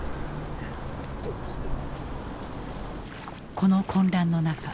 この混乱の中